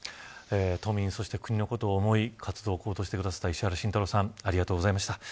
都民、そして国のことを思い活動をしてくださった石原慎太郎さんありがとうございました。